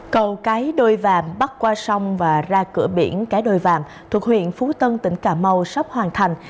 cầu cái đôi vàm bắt qua sông và ra cửa biển cái đôi vàm thuộc huyện phú tân tỉnh cà mau sắp hoàn thành